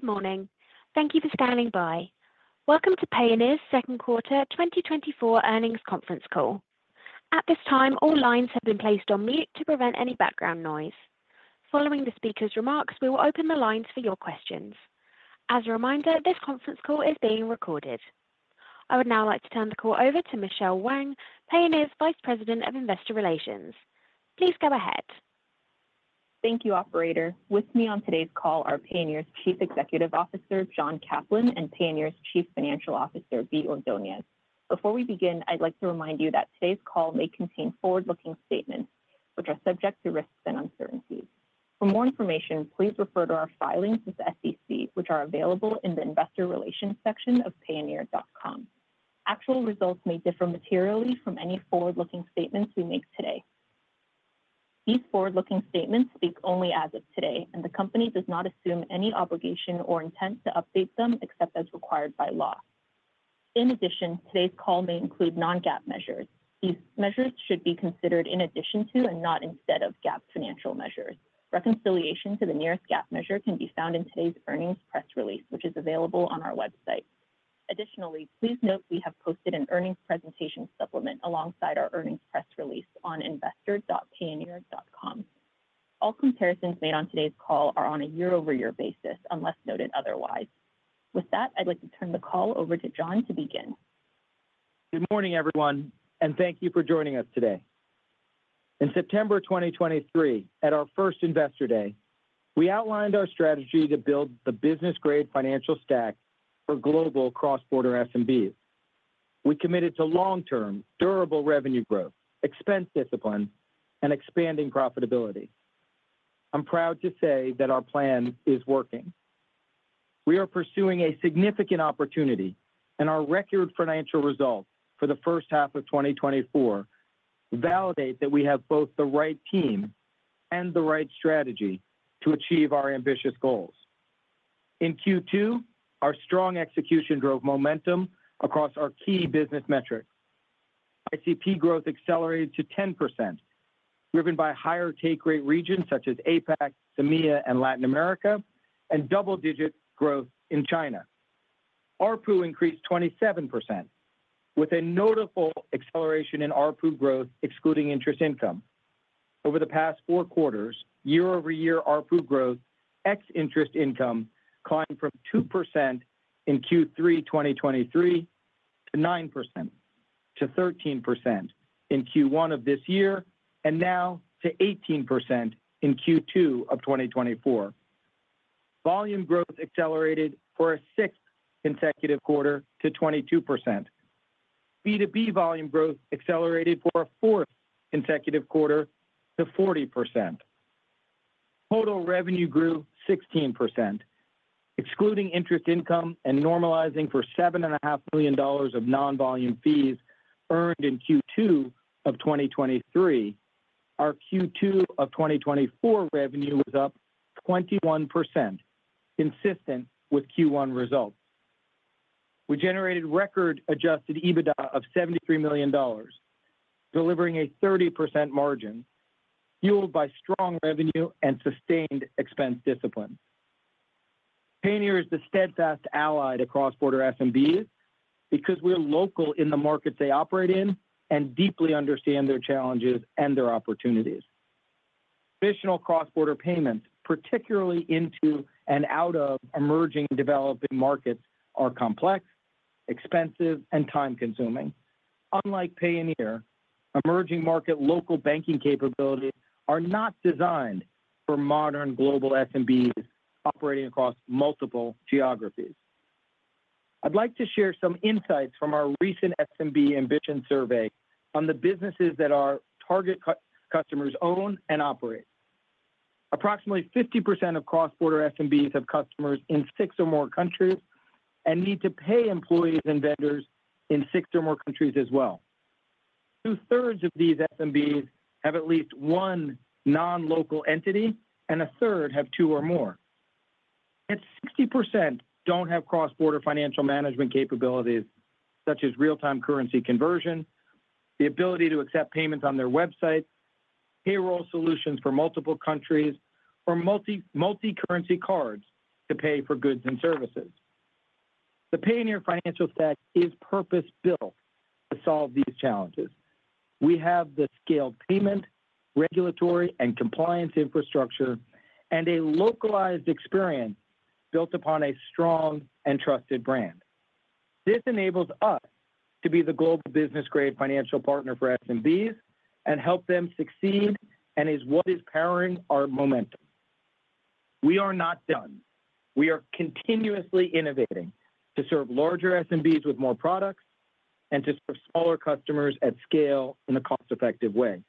Good morning. Thank you for standing by. Welcome to Payoneer's second quarter 2024 earnings conference call. At this time, all lines have been placed on mute to prevent any background noise. Following the speaker's remarks, we will open the lines for your questions. As a reminder, this conference call is being recorded. I would now like to turn the call over to Michelle Wang, Payoneer's Vice President of Investor Relations. Please go ahead. Thank you, Operator. With me on today's call are Payoneer's Chief Executive Officer, John Caplan, and Payoneer's Chief Financial Officer, Bea Ordonez. Before we begin, I'd like to remind you that today's call may contain forward-looking statements which are subject to risks and uncertainties. For more information, please refer to our filings with SEC, which are available in the Investor Relations section of Payoneer.com. Actual results may differ materially from any forward-looking statements we make today. These forward-looking statements speak only as of today, and the company does not assume any obligation or intent to update them except as required by law. In addition, today's call may include non-GAAP measures. These measures should be considered in addition to and not instead of GAAP financial measures. Reconciliation to the nearest GAAP measure can be found in today's earnings press release, which is available on our website. Additionally, please note we have posted an earnings presentation supplement alongside our earnings press release on investor.payoneer.com. All comparisons made on today's call are on a year-over-year basis unless noted otherwise. With that, I'd like to turn the call over to John to begin. Good morning, everyone, and thank you for joining us today. In September 2023, at our first Investor Day, we outlined our strategy to build the business-grade financial stack for global cross-border SMBs. We committed to long-term, durable revenue growth, expense discipline, and expanding profitability. I'm proud to say that our plan is working. We are pursuing a significant opportunity, and our record financial results for the first half of 2024 validate that we have both the right team and the right strategy to achieve our ambitious goals. In Q2, our strong execution drove momentum across our key business metrics. ICP growth accelerated to 10%, driven by higher take-rate regions such as APAC, SAMEA, and Latin America, and double-digit growth in China. ARPU increased 27%, with a notable acceleration in ARPU growth excluding interest income. Over the past four quarters, year-over-year ARPU growth ex interest income climbed from 2% in Q3 2023 to 9%, to 13% in Q1 of this year, and now to 18% in Q2 of 2024. Volume growth accelerated for a sixth consecutive quarter to 22%. B2B volume growth accelerated for a fourth consecutive quarter to 40%. Total revenue grew 16%. Excluding interest income and normalizing for $7.5 million of non-volume fees earned in Q2 of 2023, our Q2 of 2024 revenue was up 21%, consistent with Q1 results. We generated record Adjusted EBITDA of $73 million, delivering a 30% margin, fueled by strong revenue and sustained expense discipline. Payoneer is the steadfast ally to cross-border SMBs because we're local in the markets they operate in and deeply understand their challenges and their opportunities. Traditional cross-border payments, particularly into and out of emerging developing markets, are complex, expensive, and time-consuming. Unlike Payoneer, emerging market local banking capabilities are not designed for modern global SMBs operating across multiple geographies. I'd like to share some insights from our recent SMB Ambition survey on the businesses that our target customers own and operate. Approximately 50% of cross-border SMBs have customers in six or more countries and need to pay employees and vendors in six or more countries as well. Two-thirds of these SMBs have at least one non-local entity, and a third have two or more. Yet 60% don't have cross-border financial management capabilities such as real-time currency conversion, the ability to accept payments on their website, payroll solutions for multiple countries, or multi-currency cards to pay for goods and services. The Payoneer financial stack is purpose-built to solve these challenges. We have the scaled payment, regulatory, and compliance infrastructure, and a localized experience built upon a strong and trusted brand. This enables us to be the global business-grade financial partner for SMBs and help them succeed and is what is powering our momentum. We are not done. We are continuously innovating to serve larger SMBs with more products and to serve smaller customers at scale in a cost-effective way.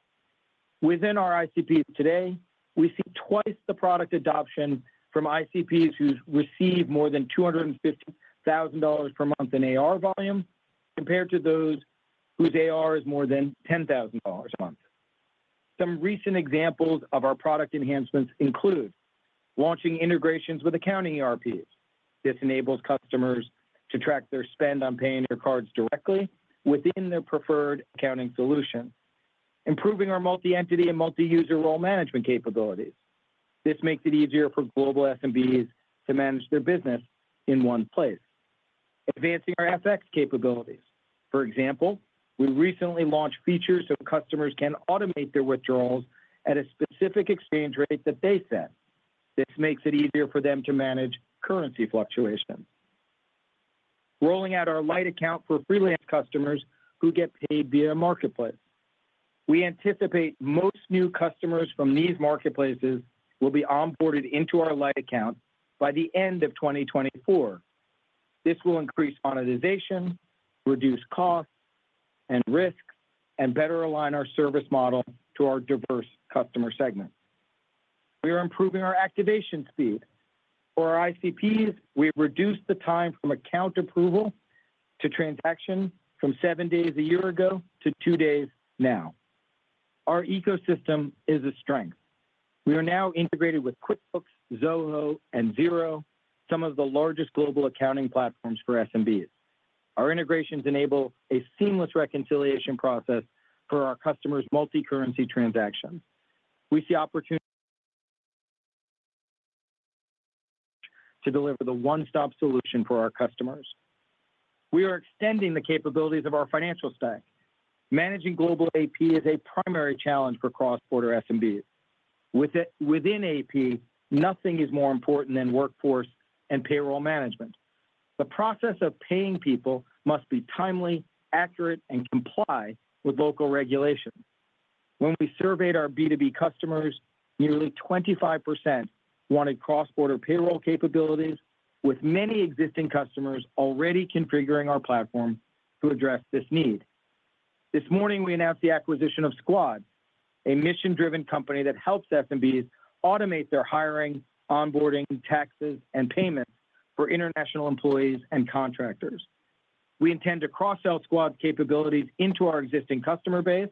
Within our ICPs today, we see twice the product adoption from ICPs who receive more than $250,000 per month in AR volume compared to those whose AR is more than $10,000 a month. Some recent examples of our product enhancements include launching integrations with accounting ERPs. This enables customers to track their spend on Payoneer cards directly within their preferred accounting solution, improving our multi-entity and multi-user role management capabilities. This makes it easier for global SMBs to manage their business in one place, advancing our FX capabilities. For example, we recently launched features so customers can automate their withdrawals at a specific exchange rate that they set. This makes it easier for them to manage currency fluctuations. Rolling out our Lite account for freelance customers who get paid via a marketplace. We anticipate most new customers from these marketplaces will be onboarded into our Lite account by the end of 2024. This will increase monetization, reduce costs and risks, and better align our service model to our diverse customer segment. We are improving our activation speed. For our ICPs, we have reduced the time from account approval to transaction from seven days a year ago to two days now. Our ecosystem is a strength. We are now integrated with QuickBooks, Zoho, and Xero, some of the largest global accounting platforms for SMBs. Our integrations enable a seamless reconciliation process for our customers' multi-currency transactions. We see opportunities to deliver the one-stop solution for our customers. We are extending the capabilities of our financial stack. Managing global AP is a primary challenge for cross-border SMBs. Within AP, nothing is more important than workforce and payroll management. The process of paying people must be timely, accurate, and comply with local regulations. When we surveyed our B2B customers, nearly 25% wanted cross-border payroll capabilities, with many existing customers already configuring our platform to address this need. This morning, we announced the acquisition of Skuad, a mission-driven company that helps SMBs automate their hiring, onboarding, taxes, and payments for international employees and contractors. We intend to cross-sell Skuad's capabilities into our existing customer base.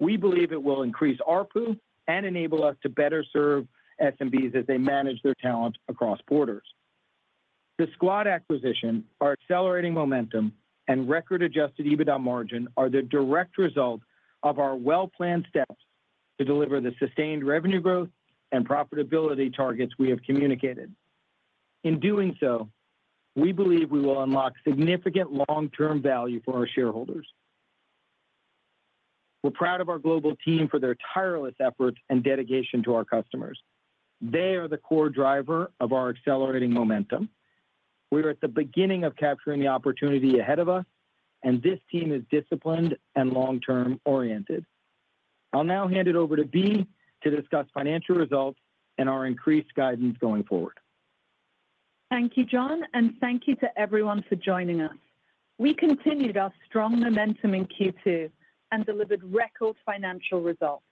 We believe it will increase ARPU and enable us to better serve SMBs as they manage their talent across borders. The Skuad acquisition, our accelerating momentum, and record adjusted EBITDA margin are the direct result of our well-planned steps to deliver the sustained revenue growth and profitability targets we have communicated. In doing so, we believe we will unlock significant long-term value for our shareholders. We're proud of our global team for their tireless efforts and dedication to our customers. They are the core driver of our accelerating momentum. We are at the beginning of capturing the opportunity ahead of us, and this team is disciplined and long-term oriented. I'll now hand it over to Bea to discuss financial results and our increased guidance going forward. Thank you, John, and thank you to everyone for joining us. We continued our strong momentum in Q2 and delivered record financial results.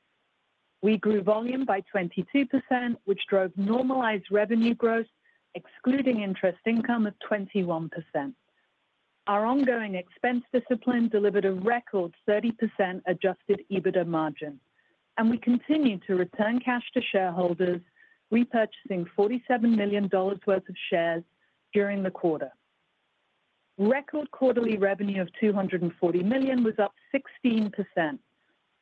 We grew volume by 22%, which drove normalized revenue growth, excluding interest income of 21%. Our ongoing expense discipline delivered a record 30% Adjusted EBITDA margin, and we continued to return cash to shareholders, repurchasing $47 million worth of shares during the quarter. Record quarterly revenue of $240 million was up 16%.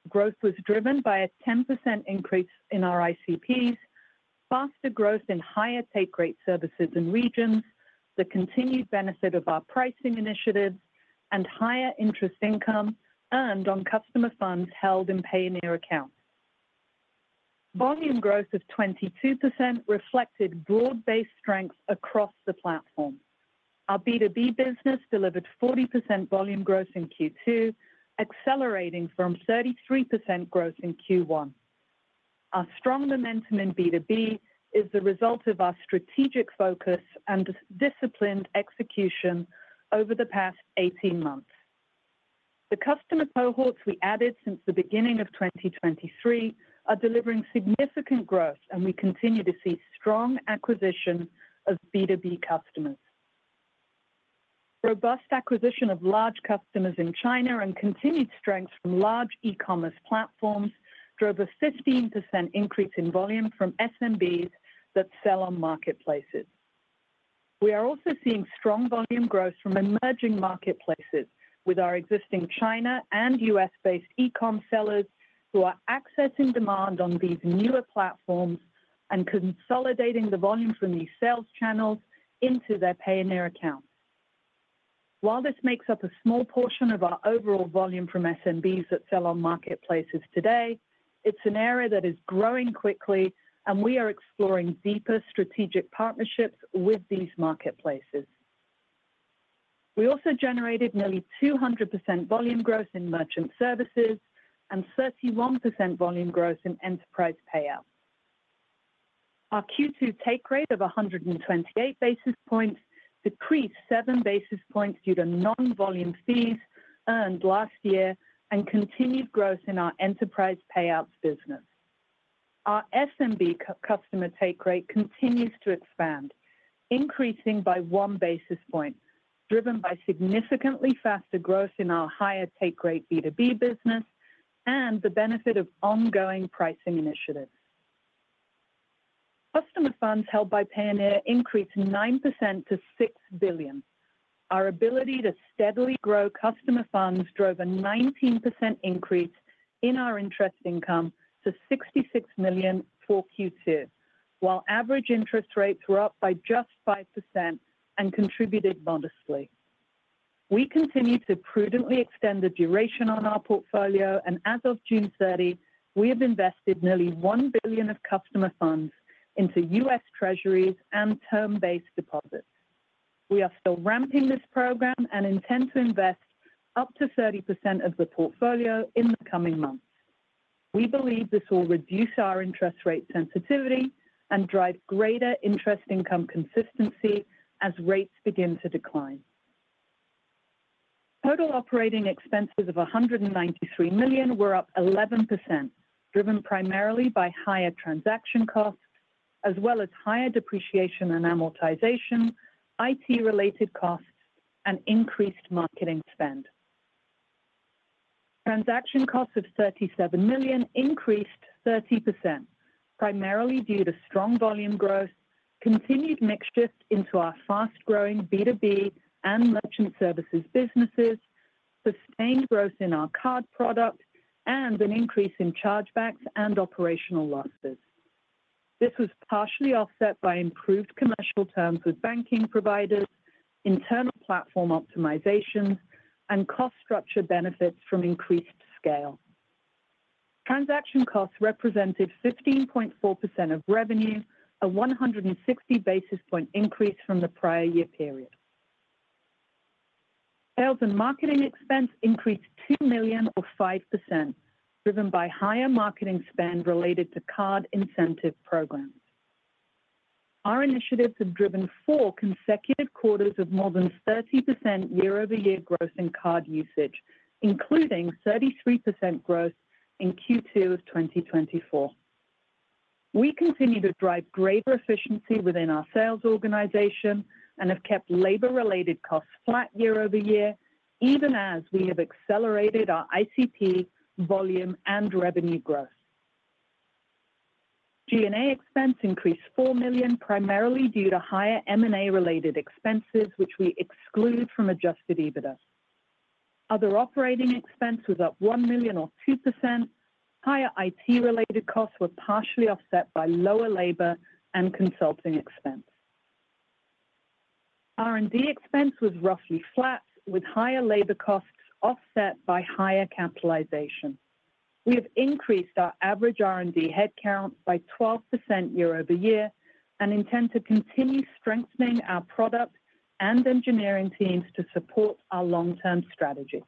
Growth was driven by a 10% increase in our ICPs, faster growth in higher take-rate services and regions, the continued benefit of our pricing initiatives, and higher interest income earned on customer funds held in Payoneer accounts. Volume growth of 22% reflected broad-based strengths across the platform. Our B2B business delivered 40% volume growth in Q2, accelerating from 33% growth in Q1. Our strong momentum in B2B is the result of our strategic focus and disciplined execution over the past 18 months. The customer cohorts we added since the beginning of 2023 are delivering significant growth, and we continue to see strong acquisition of B2B customers. Robust acquisition of large customers in China and continued strength from large e-commerce platforms drove a 15% increase in volume from SMBs that sell on marketplaces. We are also seeing strong volume growth from emerging marketplaces with our existing China and U.S.-based e-commerce sellers who are accessing demand on these newer platforms and consolidating the volume from these sales channels into their Payoneer accounts. While this makes up a small portion of our overall volume from SMBs that sell on marketplaces today, it's an area that is growing quickly, and we are exploring deeper strategic partnerships with these marketplaces. We also generated nearly 200% volume growth in merchant services and 31% volume growth in enterprise payouts. Our Q2 take-rate of 128 basis points decreased 7 basis points due to non-volume fees earned last year and continued growth in our enterprise payouts business. Our SMB customer take-rate continues to expand, increasing by 1 basis point, driven by significantly faster growth in our higher take-rate B2B business and the benefit of ongoing pricing initiatives. Customer funds held by Payoneer increased 9% to $6 billion. Our ability to steadily grow customer funds drove a 19% increase in our interest income to $66 million for Q2, while average interest rates were up by just 5% and contributed modestly. We continue to prudently extend the duration on our portfolio, and as of June 30, we have invested nearly $1 billion of customer funds into U.S. Treasuries and term-based deposits. We are still ramping this program and intend to invest up to 30% of the portfolio in the coming months. We believe this will reduce our interest rate sensitivity and drive greater interest income consistency as rates begin to decline. Total operating expenses of $193 million were up 11%, driven primarily by higher transaction costs, as well as higher depreciation and amortization, IT-related costs, and increased marketing spend. Transaction costs of $37 million increased 30%, primarily due to strong volume growth, continued migrations into our fast-growing B2B and Merchant Services businesses, sustained growth in our card product, and an increase in chargebacks and operational losses. This was partially offset by improved commercial terms with banking providers, internal platform optimizations, and cost structure benefits from increased scale. Transaction costs represented 15.4% of revenue, a 160 basis point increase from the prior year period. Sales and marketing expense increased $2 million or 5%, driven by higher marketing spend related to card incentive programs. Our initiatives have driven four consecutive quarters of more than 30% year-over-year growth in card usage, including 33% growth in Q2 of 2024. We continue to drive greater efficiency within our sales organization and have kept labor-related costs flat year-over-year, even as we have accelerated our ICP volume and revenue growth. G&A expense increased $4 million, primarily due to higher M&A-related expenses, which we exclude from adjusted EBITDA. Other operating expense was up $1 million or 2%. Higher IT-related costs were partially offset by lower labor and consulting expense. R&D expense was roughly flat, with higher labor costs offset by higher capitalization. We have increased our average R&D headcount by 12% year-over-year and intend to continue strengthening our product and engineering teams to support our long-term strategy.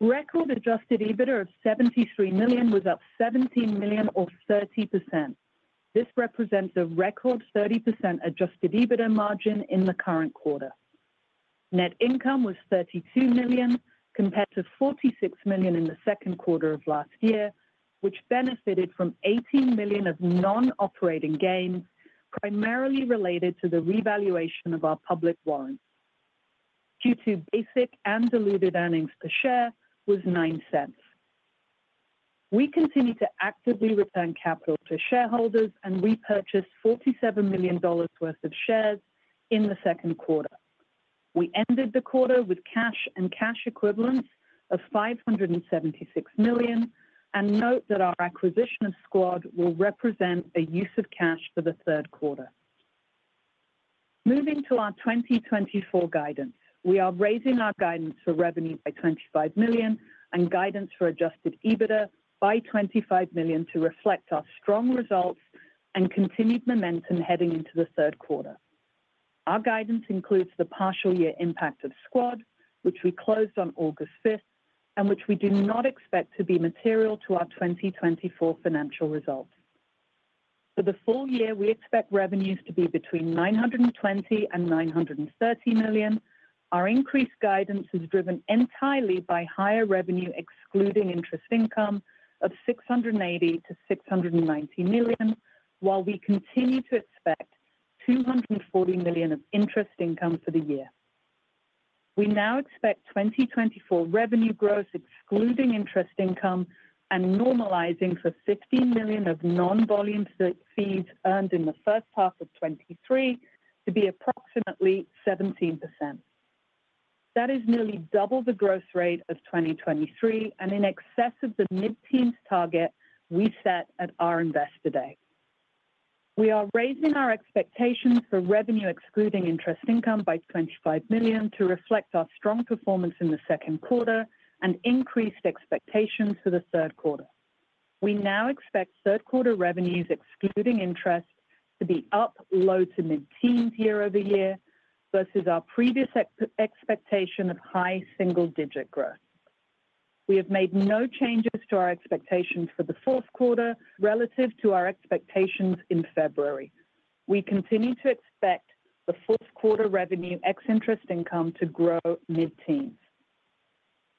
Record Adjusted EBITDA of $73 million was up $17 million or 30%. This represents a record 30% Adjusted EBITDA margin in the current quarter. Net income was $32 million compared to $46 million in the second quarter of last year, which benefited from $18 million of non-operating gains, primarily related to the revaluation of our public warrants. Q2 basic and diluted earnings per share was $0.09. We continue to actively return capital to shareholders and repurchase $47 million worth of shares in the second quarter. We ended the quarter with cash and cash equivalents of $576 million and note that our acquisition of Skuad will represent a use of cash for the third quarter. Moving to our 2024 guidance, we are raising our guidance for revenue by $25 million and guidance for Adjusted EBITDA by $25 million to reflect our strong results and continued momentum heading into the third quarter. Our guidance includes the partial year impact of Skuad, which we closed on August 5 and which we do not expect to be material to our 2024 financial results. For the full year, we expect revenues to be between $920 million-$930 million. Our increased guidance is driven entirely by higher revenue, excluding interest income of $680 million-$690 million, while we continue to expect $240 million of interest income for the year. We now expect 2024 revenue growth, excluding interest income, and normalizing for $15 million of non-volume fees earned in the first half of 2023 to be approximately 17%. That is nearly double the growth rate of 2023 and in excess of the mid-teens target we set at our investor day. We are raising our expectations for revenue, excluding interest income, by $25 million to reflect our strong performance in the second quarter and increased expectations for the third quarter. We now expect third-quarter revenues, excluding interest, to be up low to mid-teens year-over-year versus our previous expectation of high single-digit growth. We have made no changes to our expectations for the fourth quarter relative to our expectations in February. We continue to expect the fourth-quarter revenue ex interest income to grow mid-teens.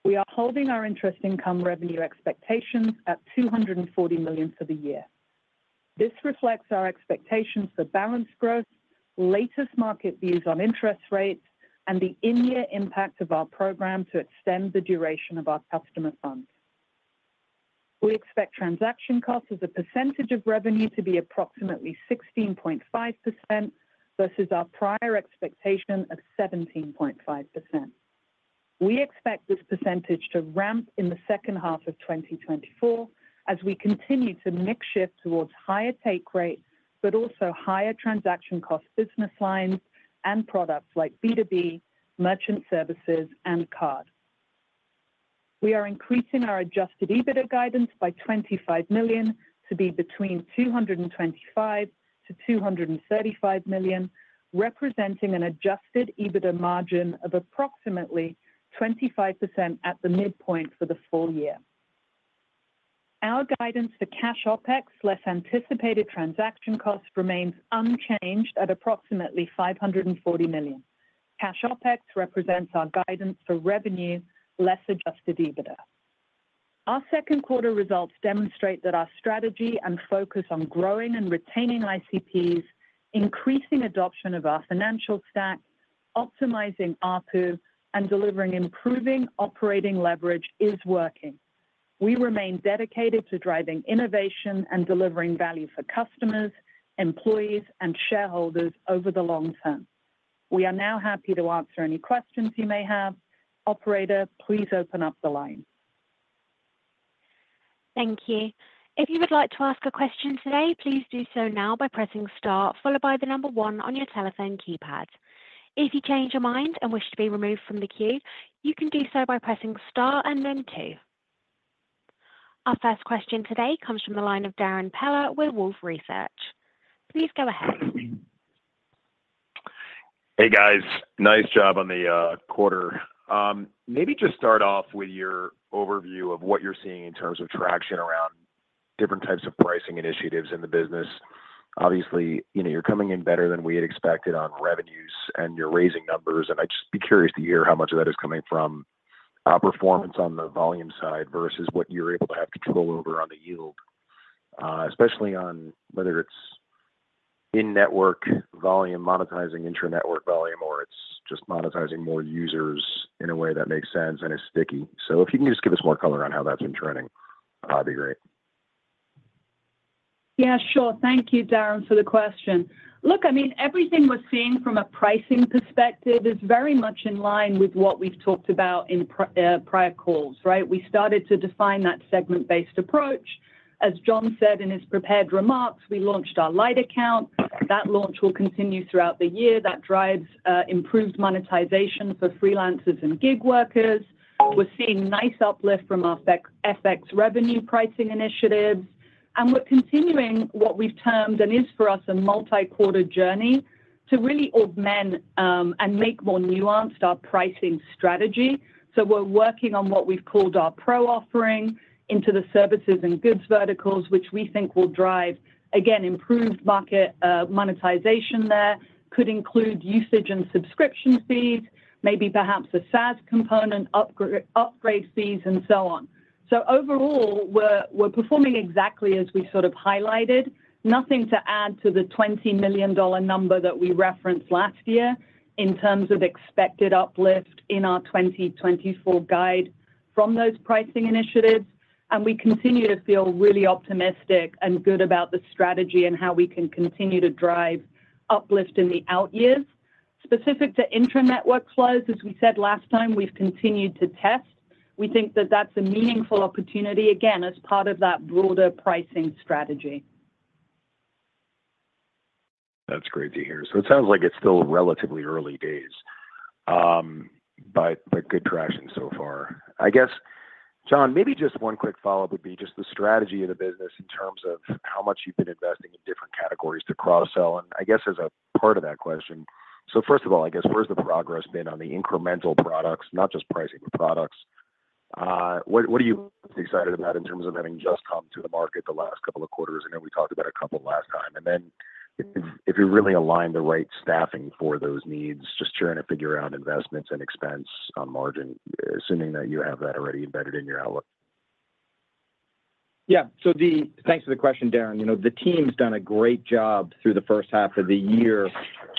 We are holding our interest income revenue expectations at $240 million for the year. This reflects our expectations for balanced growth, latest market views on interest rates, and the in-year impact of our program to extend the duration of our customer funds. We expect transaction costs as a percentage of revenue to be approximately 16.5% versus our prior expectation of 17.5%. We expect this percentage to ramp in the second half of 2024 as we continue to mix shift towards higher take-rate, but also higher transaction cost business lines and products like B2B, Merchant Services, and card. We are increasing our adjusted EBITDA guidance by $25 million to be between $225 million-$235 million, representing an adjusted EBITDA margin of approximately 25% at the midpoint for the full year. Our guidance for cash OpEx less anticipated transaction costs remains unchanged at approximately $540 million. Cash OpEx represents our guidance for revenue less adjusted EBITDA. Our second-quarter results demonstrate that our strategy and focus on growing and retaining ICPs, increasing adoption of our financial stack, optimizing, and delivering improving operating leverage is working. We remain dedicated to driving innovation and delivering value for customers, employees, and shareholders over the long term. We are now happy to answer any questions you may have. Operator, please open up the line. Thank you. If you would like to ask a question today, please do so now by pressing star, followed by the number one on your telephone keypad. If you change your mind and wish to be removed from the queue, you can do so by pressing star and then two. Our first question today comes from the line of Darren Peller with Wolfe Research. Please go ahead. Hey, guys. Nice job on the quarter. Maybe just start off with your overview of what you're seeing in terms of traction around different types of pricing initiatives in the business. Obviously, you're coming in better than we had expected on revenues, and you're raising numbers. I'd just be curious to hear how much of that is coming from our performance on the volume side versus what you're able to have control over on the yield, especially on whether it's in-network volume, monetizing intra-network volume, or it's just monetizing more users in a way that makes sense and is sticky. If you can just give us more color on how that's been trending, that'd be great. Yeah, sure. Thank you, Darren, for the question. Look, I mean, everything we're seeing from a pricing perspective is very much in line with what we've talked about in prior calls, right? We started to define that segment-based approach. As John said in his prepared remarks, we launched our Lite account. That launch will continue throughout the year. That drives improved monetization for freelancers and gig workers. We're seeing nice uplift from our FX revenue pricing initiatives. And we're continuing what we've termed and is, for us, a multi-quarter journey to really augment and make more nuanced our pricing strategy. So we're working on what we've called our Pro offering into the services and goods verticals, which we think will drive, again, improved market monetization there. Could include usage and subscription fees, maybe perhaps a SaaS component, upgrade fees, and so on. Overall, we're performing exactly as we sort of highlighted. Nothing to add to the $20 million number that we referenced last year in terms of expected uplift in our 2024 guide from those pricing initiatives. We continue to feel really optimistic and good about the strategy and how we can continue to drive uplift in the out years. Specific to intra-network flows, as we said last time, we've continued to test. We think that that's a meaningful opportunity, again, as part of that broader pricing strategy. That's great to hear. It sounds like it's still relatively early days, but good traction so far. I guess, John, maybe just one quick follow-up would be just the strategy of the business in terms of how much you've been investing in different categories to cross-sell. And I guess as a part of that question, so first of all, I guess, where's the progress been on the incremental products, not just pricing, but products? What are you most excited about in terms of having just come to the market the last couple of quarters? I know we talked about a couple last time. And then if you're really aligned the right staffing for those needs, just trying to figure out investments and expense on margin, assuming that you have that already embedded in your outlook. Yeah. So thanks for the question, Darren. The team's done a great job through the first half of the year,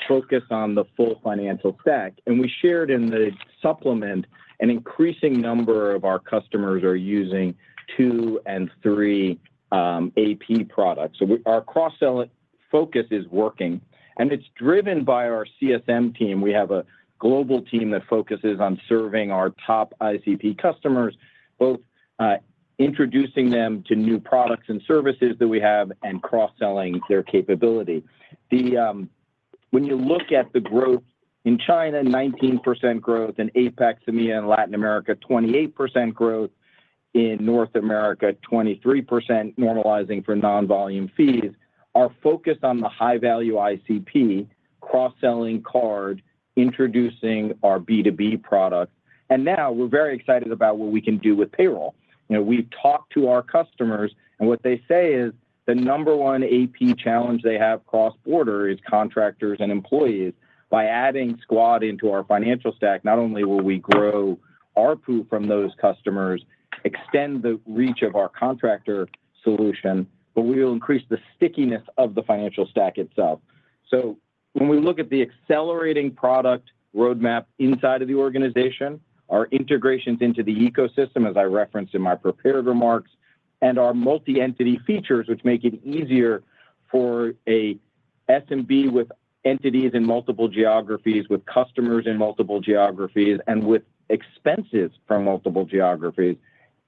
focused on the full financial stack. We shared in the supplement, an increasing number of our customers are using two and three AP products. So our cross-selling focus is working. And it's driven by our CSM team. We have a global team that focuses on serving our top ICP customers, both introducing them to new products and services that we have and cross-selling their capability. When you look at the growth in China, 19% growth, and APAC, EMEA, and Latin America, 28% growth, in North America, 23%, normalizing for non-volume fees. Our focus on the high-value ICP, cross-selling card, introducing our B2B products. And now we're very excited about what we can do with payroll. We've talked to our customers, and what they say is the number one AP challenge they have cross-border is contractors and employees. By adding Skuad into our Financial Stack, not only will we grow our pool from those customers, extend the reach of our contractor solution, but we will increase the stickiness of the Financial Stack itself. So when we look at the accelerating product roadmap inside of the organization, our integrations into the ecosystem, as I referenced in my prepared remarks, and our multi-entity features, which make it easier for an SMB with entities in multiple geographies, with customers in multiple geographies, and with expenses from multiple geographies,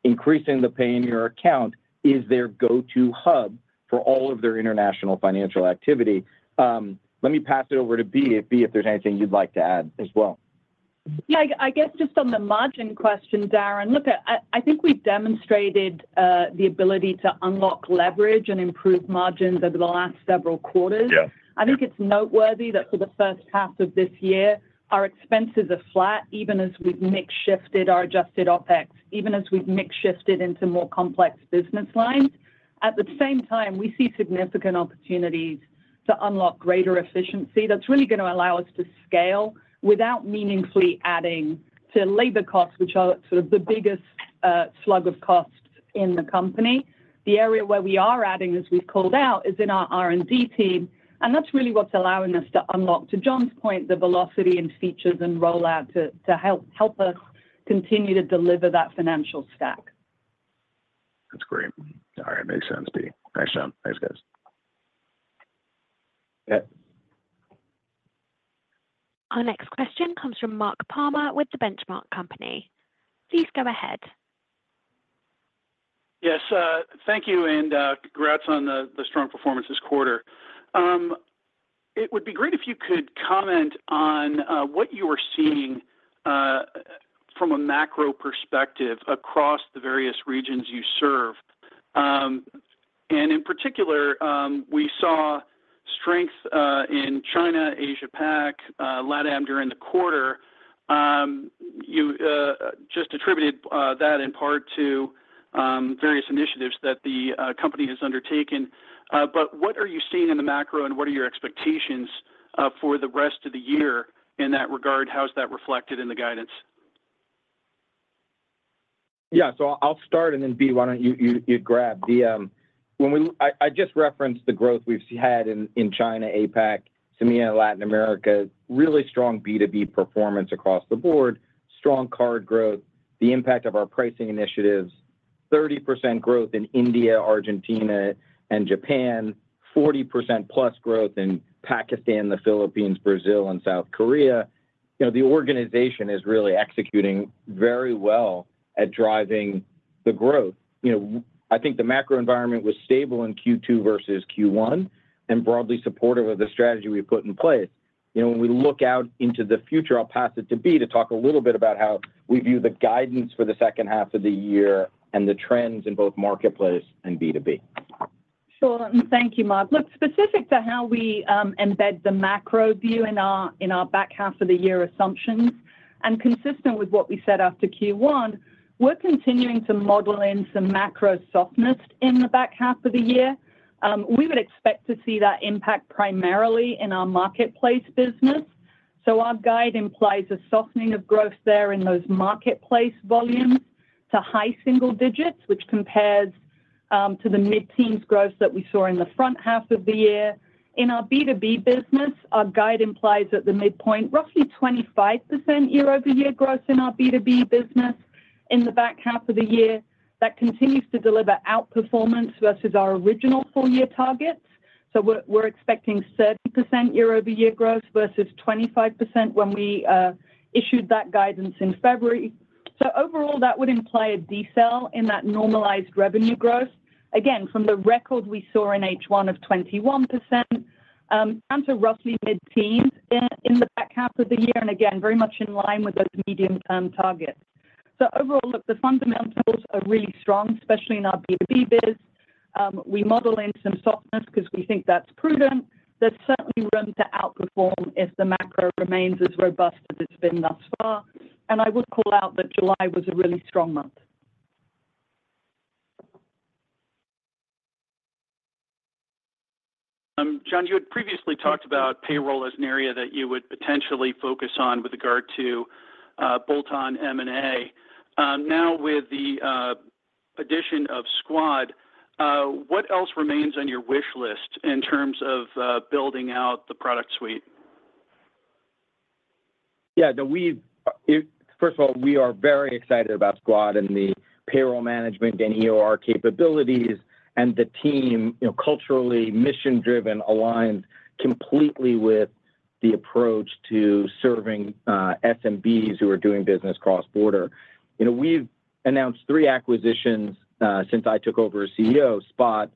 increasing the Payoneer account is their go-to hub for all of their international financial activity. Let me pass it over to Bea, if Bea, if there's anything you'd like to add as well. Yeah, I guess just on the margin question, Darren, look, I think we've demonstrated the ability to unlock leverage and improve margins over the last several quarters. I think it's noteworthy that for the first half of this year, our expenses are flat, even as we've mixed shifted our adjusted OpEx, even as we've mixed shifted into more complex business lines. At the same time, we see significant opportunities to unlock greater efficiency that's really going to allow us to scale without meaningfully adding to labor costs, which are sort of the biggest slug of costs in the company. The area where we are adding, as we've called out, is in our R&D team. And that's really what's allowing us to unlock, to John's point, the velocity and features and rollout to help us continue to deliver that Financial Stack. That's great. All right. Makes sense, Bea. Thanks, John. Thanks, guys. Our next question comes from Mark Palmer with The Benchmark Company. Please go ahead. Yes. Thank you. And congrats on the strong performance this quarter. It would be great if you could comment on what you were seeing from a macro perspective across the various regions you serve. And in particular, we saw strength in China, Asia-Pac, LatAm during the quarter. You just attributed that in part to various initiatives that the company has undertaken. But what are you seeing in the macro, and what are your expectations for the rest of the year in that regard? How is that reflected in the guidance? Yeah. So I'll start, and then Bea, why don't you grab. I just referenced the growth we've had in China, APAC, EMEA, and Latin America. Really strong B2B performance across the board, strong card growth, the impact of our pricing initiatives, 30% growth in India, Argentina, and Japan, 40%+ growth in Pakistan, the Philippines, Brazil, and South Korea. The organization is really executing very well at driving the growth. I think the macro environment was stable in Q2 versus Q1 and broadly supportive of the strategy we put in place. When we look out into the future, I'll pass it to Bea to talk a little bit about how we view the guidance for the second half of the year and the trends in both marketplace and B2B. Sure. Thank you, Mark. Look, specific to how we embed the macro view in our back half of the year assumptions and consistent with what we set after Q1, we're continuing to model in some macro softness in the back half of the year. We would expect to see that impact primarily in our marketplace business. So our guide implies a softening of growth there in those marketplace volumes to high single digits, which compares to the mid-teens growth that we saw in the front half of the year. In our B2B business, our guide implies at the midpoint, roughly 25% year-over-year growth in our B2B business in the back half of the year. That continues to deliver outperformance versus our original full-year targets. So we're expecting 30% year-over-year growth versus 25% when we issued that guidance in February. So overall, that would imply a decel in that normalized revenue growth, again, from the record we saw in H1 of 21%, down to roughly mid-teens in the back half of the year, and again, very much in line with those medium-term targets. So overall, look, the fundamentals are really strong, especially in our B2B biz. We model in some softness because we think that's prudent. There's certainly room to outperform if the macro remains as robust as it's been thus far. And I would call out that July was a really strong month. John, you had previously talked about payroll as an area that you would potentially focus on with regard to bolt-on M&A. Now, with the addition of Skuad, what else remains on your wish list in terms of building out the product suite? Yeah. First of all, we are very excited about Skuad and the payroll management and EOR capabilities. And the team, culturally, mission-driven, aligns completely with the approach to serving SMBs who are doing business cross-border. We've announced three acquisitions since I took over as CEO: Spott,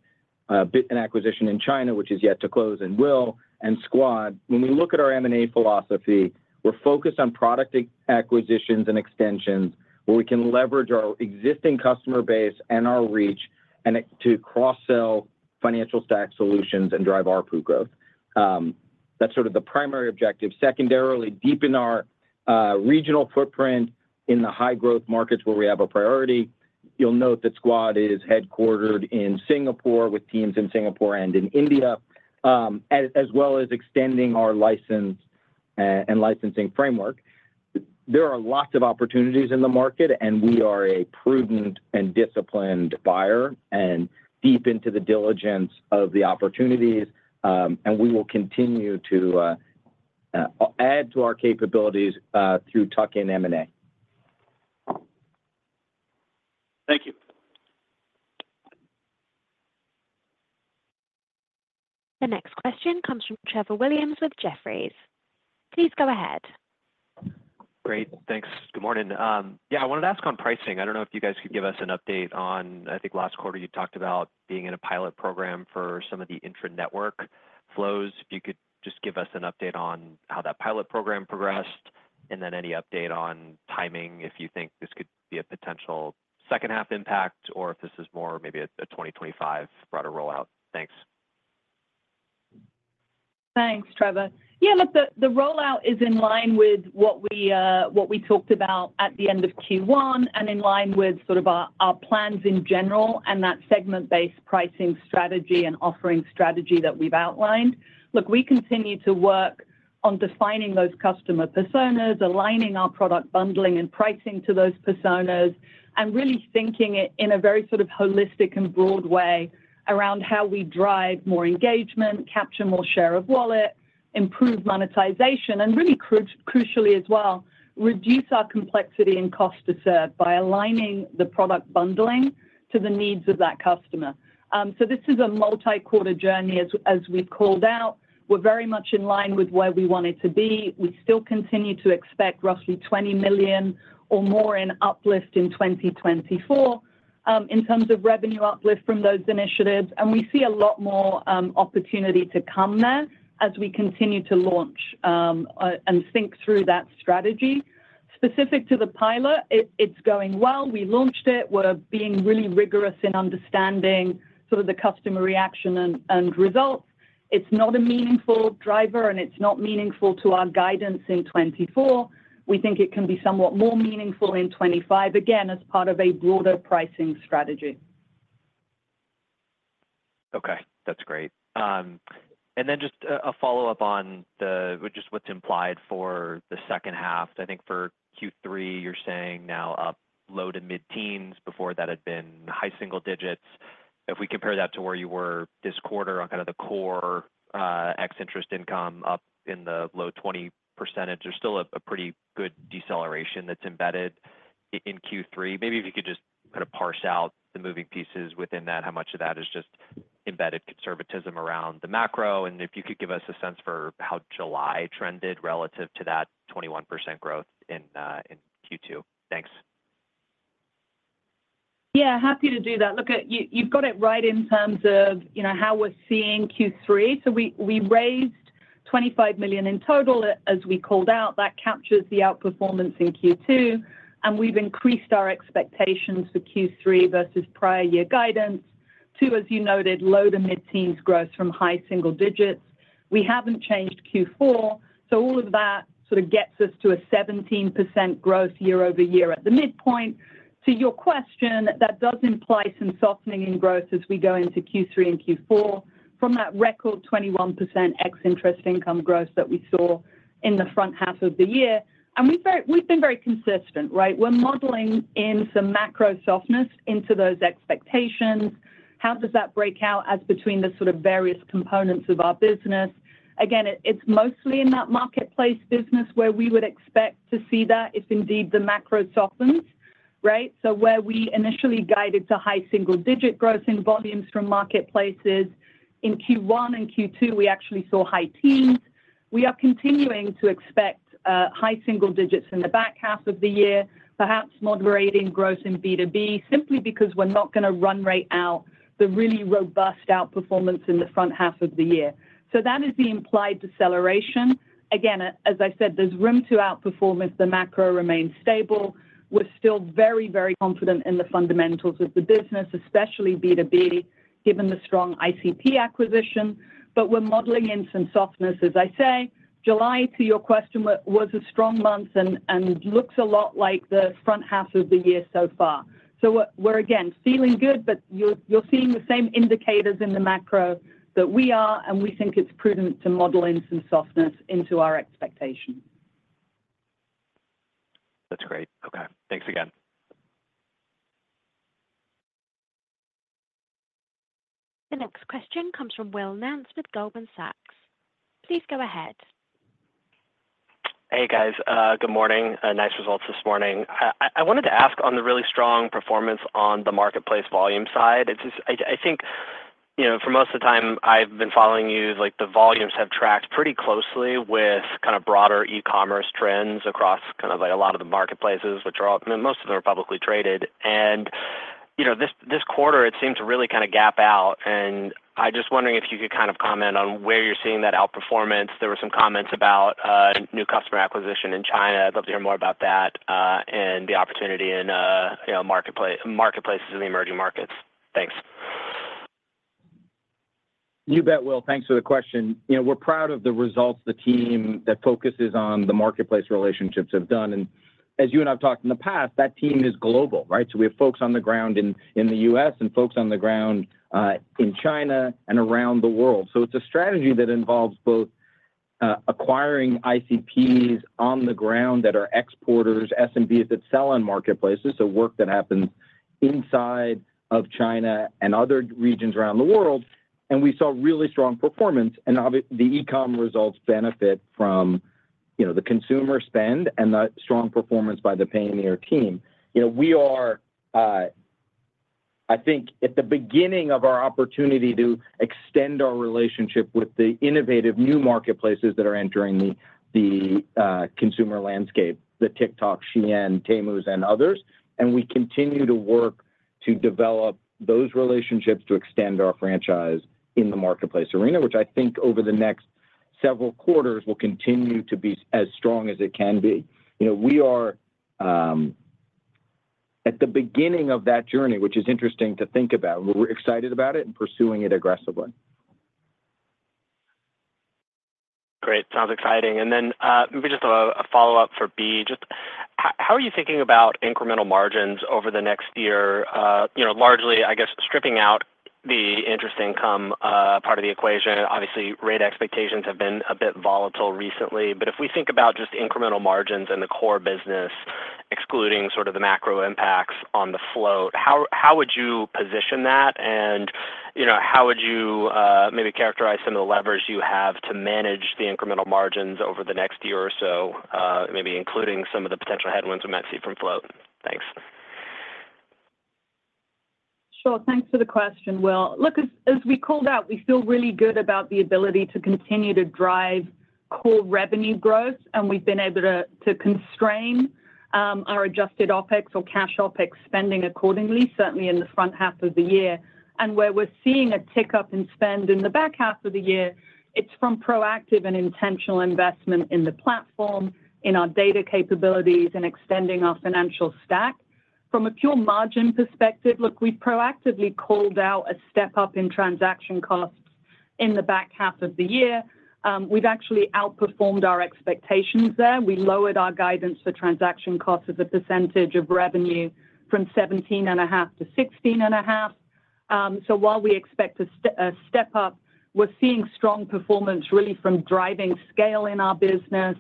an acquisition in China, which is yet to close and will, and Skuad. When we look at our M&A philosophy, we're focused on product acquisitions and extensions where we can leverage our existing customer base and our reach to cross-sell financial stack solutions and drive our pool growth. That's sort of the primary objective. Secondarily, deepen our regional footprint in the high-growth markets where we have a priority. You'll note that Skuad is headquartered in Singapore, with teams in Singapore and in India, as well as extending our license and licensing framework. There are lots of opportunities in the market, and we are a prudent and disciplined buyer and deep into the diligence of the opportunities. We will continue to add to our capabilities through tuck-in M&A. Thank you. The next question comes from Trevor Williams with Jefferies. Please go ahead. Great. Thanks. Good morning. Yeah, I wanted to ask on pricing. I don't know if you guys could give us an update on, I think last quarter you talked about being in a pilot program for some of the intra-network flows. If you could just give us an update on how that pilot program progressed, and then any update on timing if you think this could be a potential second-half impact or if this is more maybe a 2025 broader rollout. Thanks. Thanks, Trevor. Yeah, look, the rollout is in line with what we talked about at the end of Q1 and in line with sort of our plans in general and that segment-based pricing strategy and offering strategy that we've outlined. Look, we continue to work on defining those customer personas, aligning our product bundling and pricing to those personas, and really thinking in a very sort of holistic and broad way around how we drive more engagement, capture more share of wallet, improve monetization, and really crucially as well, reduce our complexity and cost to serve by aligning the product bundling to the needs of that customer. So this is a multi-quarter journey, as we've called out. We're very much in line with where we want it to be. We still continue to expect roughly $20 million or more in uplift in 2024 in terms of revenue uplift from those initiatives. We see a lot more opportunity to come there as we continue to launch and think through that strategy. Specific to the pilot, it's going well. We launched it. We're being really rigorous in understanding sort of the customer reaction and results. It's not a meaningful driver, and it's not meaningful to our guidance in 2024. We think it can be somewhat more meaningful in 2025, again, as part of a broader pricing strategy. Okay. That's great. And then just a follow-up on just what's implied for the second half. I think for Q3, you're saying now up low to mid-teens. Before that, it had been high single digits. If we compare that to where you were this quarter on kind of the core ex-interest income up in the low 20 percentage, there's still a pretty good deceleration that's embedded in Q3. Maybe if you could just kind of parse out the moving pieces within that, how much of that is just embedded conservatism around the macro. And if you could give us a sense for how July trended relative to that 21% growth in Q2. Thanks. Yeah, happy to do that. Look, you've got it right in terms of how we're seeing Q3. So we raised $25 million in total as we called out. That captures the outperformance in Q2. We've increased our expectations for Q3 versus prior year guidance to, as you noted, low- to mid-teens% growth from high single-digits%. We haven't changed Q4. So all of that sort of gets us to a 17% growth year-over-year at the midpoint. To your question, that does imply some softening in growth as we go into Q3 and Q4 from that record 21% ex-interest income growth that we saw in the front half of the year. We've been very consistent, right? We're modeling in some macro softness into those expectations. How does that break out as between the sort of various components of our business? Again, it's mostly in that marketplace business where we would expect to see that if indeed the macro softens, right? So where we initially guided to high single-digit growth in volumes from marketplaces in Q1 and Q2, we actually saw high teens. We are continuing to expect high single digits in the back half of the year, perhaps moderating growth in B2B simply because we're not going to run right out the really robust outperformance in the front half of the year. So that is the implied deceleration. Again, as I said, there's room to outperform if the macro remains stable. We're still very, very confident in the fundamentals of the business, especially B2B, given the strong ICP acquisition. But we're modeling in some softness, as I say. July, to your question, was a strong month and looks a lot like the front half of the year so far. We're, again, feeling good, but you're seeing the same indicators in the macro that we are, and we think it's prudent to model in some softness into our expectation. That's great. Okay. Thanks again. The next question comes from Will Nance with Goldman Sachs. Please go ahead. Hey, guys. Good morning. Nice results this morning. I wanted to ask on the really strong performance on the marketplace volume side. I think for most of the time I've been following you, the volumes have tracked pretty closely with kind of broader e-commerce trends across kind of a lot of the marketplaces, which are most of them are publicly traded. And this quarter, it seemed to really kind of gap out. And I'm just wondering if you could kind of comment on where you're seeing that outperformance. There were some comments about new customer acquisition in China. I'd love to hear more about that and the opportunity in marketplaces in the emerging markets. Thanks. You bet, Will. Thanks for the question. We're proud of the results the team that focuses on the marketplace relationships have done. And as you and I have talked in the past, that team is global, right? So we have folks on the ground in the U.S. and folks on the ground in China and around the world. So it's a strategy that involves both acquiring ICPs on the ground that are exporters, SMBs that sell on marketplaces, so work that happens inside of China and other regions around the world. And we saw really strong performance. And the e-com results benefit from the consumer spend and the strong performance by the Payoneer team. We are, I think, at the beginning of our opportunity to extend our relationship with the innovative new marketplaces that are entering the consumer landscape, the TikTok, SHEIN, Temu, and others. We continue to work to develop those relationships to extend our franchise in the marketplace arena, which I think over the next several quarters will continue to be as strong as it can be. We are at the beginning of that journey, which is interesting to think about. We're excited about it and pursuing it aggressively. Great. Sounds exciting. And then maybe just a follow-up for Bea. Just how are you thinking about incremental margins over the next year, largely, I guess, stripping out the interest income part of the equation? Obviously, rate expectations have been a bit volatile recently. But if we think about just incremental margins and the core business, excluding sort of the macro impacts on the float, how would you position that? And how would you maybe characterize some of the levers you have to manage the incremental margins over the next year or so, maybe including some of the potential headwinds we might see from float? Thanks. Sure. Thanks for the question, Will. Look, as we called out, we feel really good about the ability to continue to drive core revenue growth. We've been able to constrain our adjusted OpEx or cash OpEx spending accordingly, certainly in the front half of the year. Where we're seeing a tick up in spend in the back half of the year, it's from proactive and intentional investment in the platform, in our data capabilities, and extending our Financial Stack. From a pure margin perspective, look, we've proactively called out a step up in transaction costs in the back half of the year. We've actually outperformed our expectations there. We lowered our guidance for transaction costs as a percentage of revenue from 17.5% to 16.5%. So while we expect a step up, we're seeing strong performance really from driving scale in our business,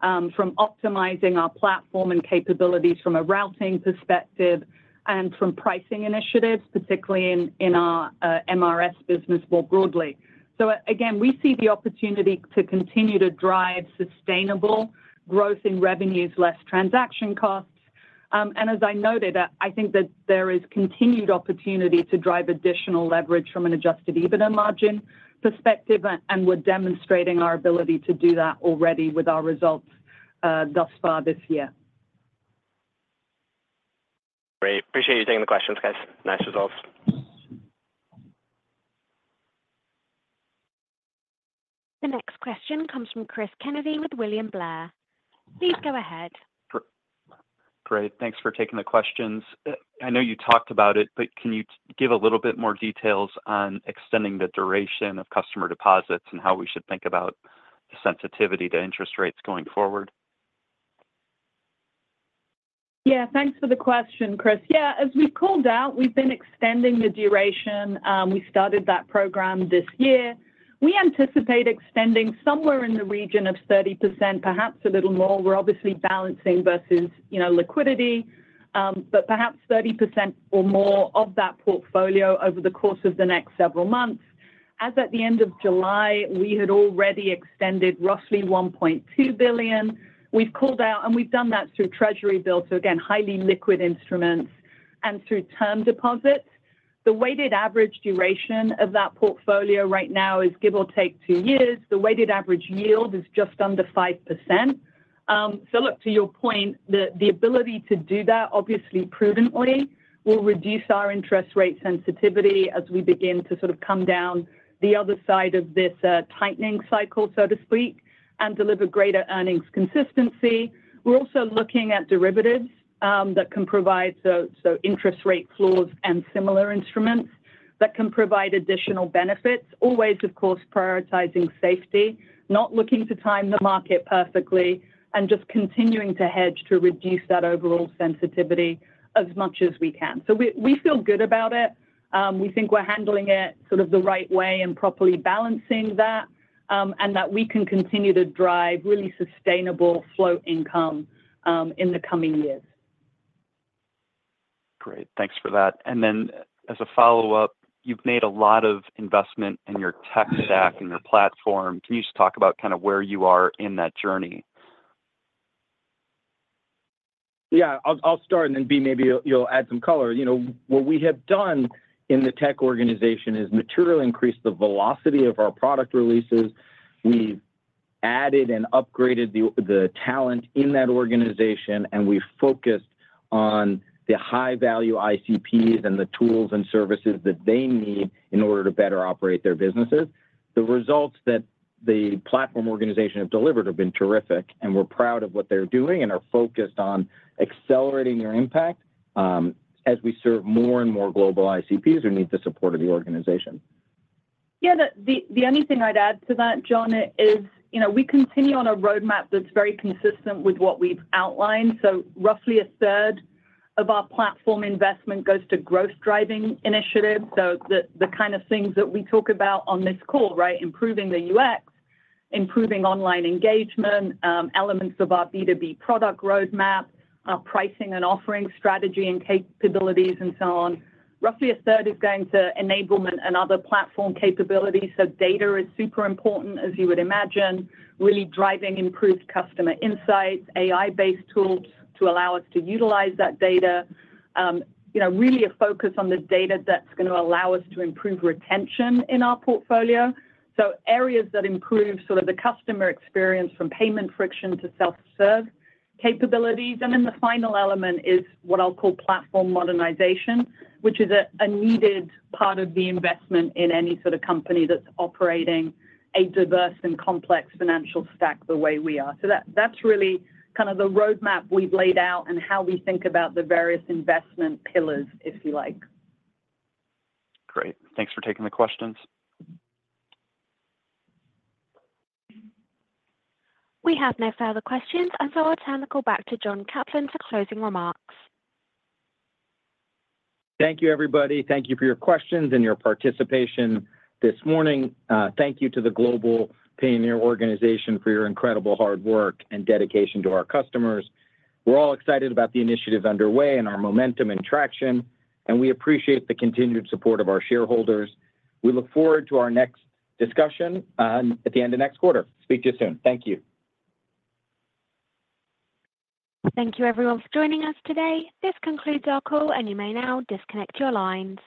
from optimizing our platform and capabilities from a routing perspective, and from pricing initiatives, particularly in our MRS business more broadly. So again, we see the opportunity to continue to drive sustainable growth in revenues, less transaction costs. And as I noted, I think that there is continued opportunity to drive additional leverage from an Adjusted EBITDA margin perspective. And we're demonstrating our ability to do that already with our results thus far this year. Great. Appreciate you taking the questions, guys. Nice results. The next question comes from Chris Kennedy with William Blair. Please go ahead. Great. Thanks for taking the questions. I know you talked about it, but can you give a little bit more details on extending the duration of customer deposits and how we should think about the sensitivity to interest rates going forward? Yeah. Thanks for the question, Chris. Yeah. As we called out, we've been extending the duration. We started that program this year. We anticipate extending somewhere in the region of 30%, perhaps a little more. We're obviously balancing versus liquidity, but perhaps 30% or more of that portfolio over the course of the next several months. As at the end of July, we had already extended roughly $1.2 billion. We've called out, and we've done that through Treasury bills, so again, highly liquid instruments and through term deposits. The weighted average duration of that portfolio right now is give or take two years. The weighted average yield is just under 5%. So look, to your point, the ability to do that, obviously prudently, will reduce our interest rate sensitivity as we begin to sort of come down the other side of this tightening cycle, so to speak, and deliver greater earnings consistency. We're also looking at derivatives that can provide interest rate floors and similar instruments that can provide additional benefits, always, of course, prioritizing safety, not looking to time the market perfectly, and just continuing to hedge to reduce that overall sensitivity as much as we can. So we feel good about it. We think we're handling it sort of the right way and properly balancing that and that we can continue to drive really sustainable float income in the coming years. Great. Thanks for that. And then as a follow-up, you've made a lot of investment in your tech stack and your platform. Can you just talk about kind of where you are in that journey? Yeah. I'll start, and then Bea, maybe you'll add some color. What we have done in the tech organization is materially increased the velocity of our product releases. We've added and upgraded the talent in that organization, and we've focused on the high-value ICPs and the tools and services that they need in order to better operate their businesses. The results that the platform organization has delivered have been terrific. We're proud of what they're doing and are focused on accelerating their impact as we serve more and more global ICPs who need the support of the organization. Yeah. The only thing I'd add to that, John, is we continue on a roadmap that's very consistent with what we've outlined. So roughly a third of our platform investment goes to growth-driving initiatives. So the kind of things that we talk about on this call, right, improving the UX, improving online engagement, elements of our B2B product roadmap, our pricing and offering strategy and capabilities, and so on. Roughly a third is going to enablement and other platform capabilities. So data is super important, as you would imagine, really driving improved customer insights, AI-based tools to allow us to utilize that data, really a focus on the data that's going to allow us to improve retention in our portfolio. So areas that improve sort of the customer experience from payment friction to self-serve capabilities. And then the final element is what I'll call platform modernization, which is a needed part of the investment in any sort of company that's operating a diverse and complex financial stack the way we are. So that's really kind of the roadmap we've laid out and how we think about the various investment pillars, if you like. Great. Thanks for taking the questions. We have no further questions. And so I'll turn the call back to John Caplan for closing remarks. Thank you, everybody. Thank you for your questions and your participation this morning. Thank you to the global Payoneer organization for your incredible hard work and dedication to our customers. We're all excited about the initiative underway and our momentum and traction. We appreciate the continued support of our shareholders. We look forward to our next discussion at the end of next quarter. Speak to you soon. Thank you. Thank you, everyone, for joining us today. This concludes our call, and you may now disconnect your lines.